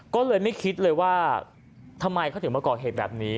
ก็เลยไม่คิดเลยว่าทำไมเขาถึงมาก่อเหตุแบบนี้